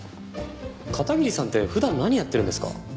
片桐さんって普段何やってるんですか？